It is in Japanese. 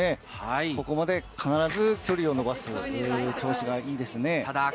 ここで必ず距離を伸ばす、調子がいいですね。